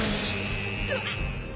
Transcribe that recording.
うわっ！